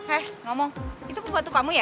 eh ngomong itu pembantu kamu ya